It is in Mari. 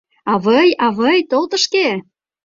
Авый, авый, тол тышке!